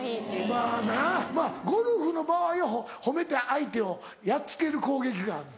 まぁなまぁゴルフの場合は褒めて相手をやっつける攻撃がある。